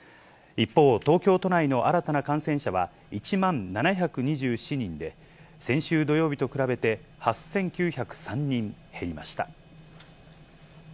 一方、東京都内の新たな感染者は１万７２７人で、先週土曜日と比べて８９０３人減りました。